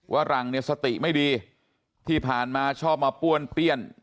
ว่าหลังเนี่ยสติไม่ดีที่ผ่านมาชอบมาป้วนเปี้ยน